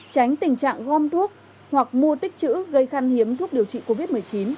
tránh tình trạng gom thuốc hoặc mua tích chữ gây khăn hiếm thuốc điều trị covid một mươi chín